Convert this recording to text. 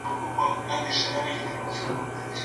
بصیرت د حقایقو په درک کولو کي مرسته کوي.